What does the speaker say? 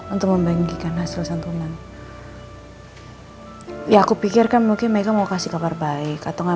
untuk membagikan hasil santunan ya aku pikirkan mungkin mereka mau kasih kabar baik atau enggak